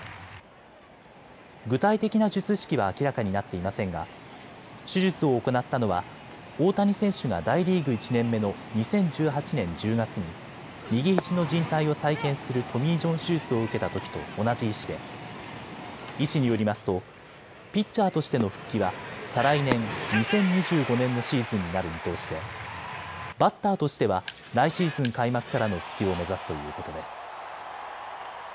具体的な術式は明らかになっていませんが手術を行ったのは大谷選手が大リーグ１年目の２０１８年１０月に右ひじのじん帯を再建するトミー・ジョン手術を受けたときと同じ医師で医師によりますとピッチャーとしての復帰は再来年、２０２５年のシーズンになる見通しでバッターとしては来シーズン開幕からの復帰を目指すということです。